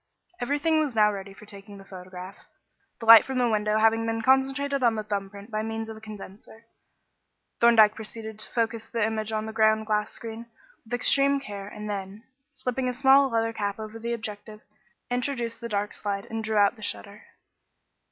Everything was now ready for taking the photograph. The light from the window having been concentrated on the thumb print by means of a condenser, Thorndyke proceeded to focus the image on the ground glass screen with extreme care and then, slipping a small leather cap over the objective, introduced the dark slide and drew out the shutter.